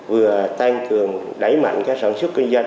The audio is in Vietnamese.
vừa tăng cường đẩy mạnh cái sản xuất kinh doanh